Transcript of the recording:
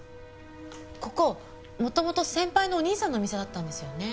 ここ元々先輩のお兄さんのお店だったんですよね？